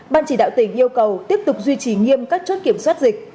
ban chỉ đạo tỉnh yêu cầu tiếp tục duy trì nghiêm các chốt kiểm soát dịch